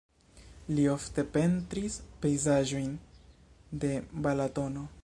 Li ofte pentris pejzaĝojn de Balatono.